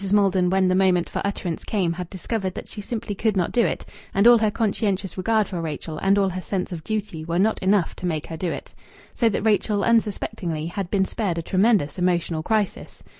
Maldon, when the moment for utterance came, had discovered that she simply could not do it, and all her conscientious regard for Rachel and all her sense of duty were not enough to make her do it. So that Rachel, unsuspectingly, had been spared a tremendous emotional crisis.